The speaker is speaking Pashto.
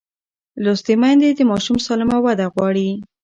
لوستې میندې د ماشوم سالمه وده غواړي.